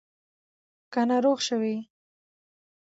که ناروغ شوې